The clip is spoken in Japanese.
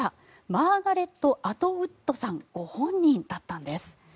マーガレット・アトウッドさんご本人だったんです。